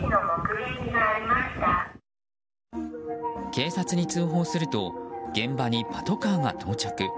警察に通報すると現場にパトカーが到着。